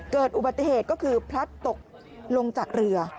เกิดอุบัติเหตุก็คือพลัดตกลงจากเรือ